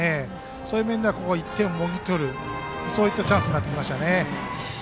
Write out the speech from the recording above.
そういう面では１点をもぎ取るチャンスになってきましたね。